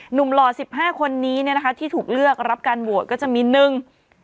หล่อสิบห้าคนนี้เนี่ยนะคะที่ถูกเลือกรับการโหวตก็จะมีหนึ่ง